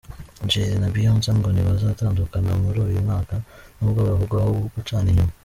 Jay-z na Beyonce ngo ntibazatandukana muri uyu mwaka nubwo bavugwaho gucana inyuma.